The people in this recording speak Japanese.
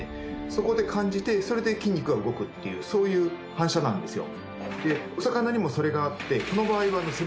そこで感じてそれで筋肉が動くっていうそういう反射なんですよ。